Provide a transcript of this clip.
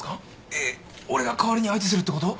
えっ俺が代わりに相手するってこと？